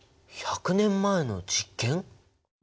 １００年前の実験！？